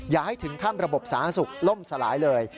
อย่าให้ถึงขั้นระบบสาธารณสุขล่มสลายเลย